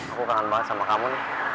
aku kangen banget sama kamu nih